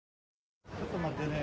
ちょっと待ってね。